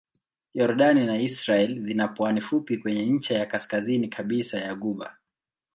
Yordani na Israel zina pwani fupi kwenye ncha ya kaskazini kabisa ya ghuba.